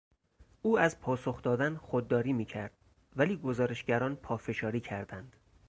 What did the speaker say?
او از پاسخ دادن خودداری میکرد ولی گزارشگران پافشاری کردند.